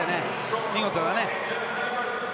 見事だね。